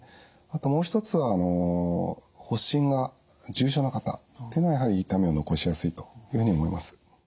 あともう一つは発疹が重症な方っていうのはやはり痛みを残しやすいというふうに思います。